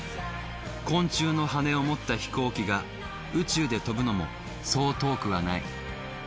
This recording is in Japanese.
昆虫のハネを持った飛行機が宇宙で飛ぶのもそう遠くはない。